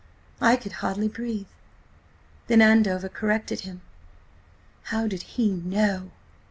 I could hardly breathe! Then Andover corrected him— How did he know?